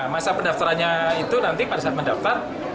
masa pendaftarannya itu nanti pada saat mendaftar